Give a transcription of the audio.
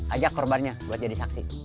ajak korbannya buat jadi saksi